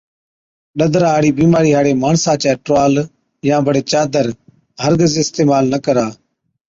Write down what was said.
ڏَدرا هاڙِي بِيمارِي هاڙي ماڻسا چَي ٽروال يان بڙي چادر هر گز اِستعمال نہ ڪرا۔